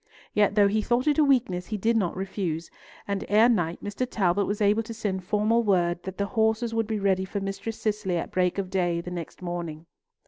Yet though he thought it a weakness, he did not refuse, and ere night Mr. Talbot was able to send formal word that the horses would be ready for Mistress Cicely at break of day the next morning.